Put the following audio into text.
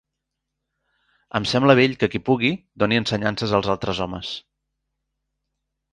Em sembla bell que qui pugui doni ensenyances als altres homes.